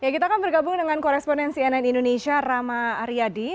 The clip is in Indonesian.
kita akan bergabung dengan koresponen cnn indonesia rama aryadi